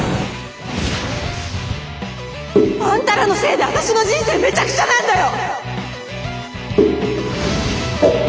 あんたらのせいで私の人生めちゃくちゃなんだよ！